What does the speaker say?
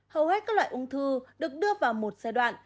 hầu hết các loại ung thư được đưa vào một giai đoạn